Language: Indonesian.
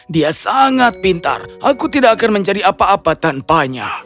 dia sangat pintar aku tidak akan menjadi apa apa tanpanya